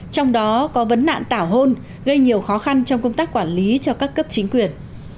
trong đó có vấn nạn tảo hôn gây nhiều khó khăn trong công tác quản lý cho các cấp chính quyền